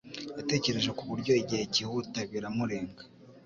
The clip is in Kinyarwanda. Yatekereje ku buryo igihe cyihuta biramurenga.